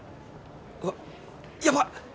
うわっやばっ！